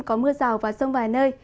có mưa rào và rông vài nơi